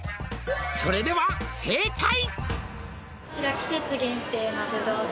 「それでは正解」